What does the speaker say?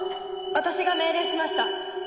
私が命令しました。